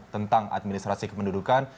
tentang administrasi kependudukan